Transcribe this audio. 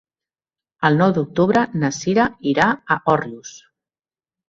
El nou d'octubre na Cira irà a Òrrius.